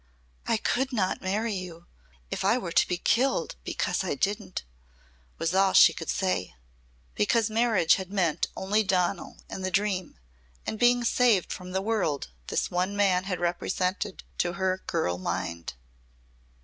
"I could not marry you if I were to be killed because I didn't," was all she could say. Because marriage had meant only Donal and the dream, and being saved from the world this one man had represented to her girl mind.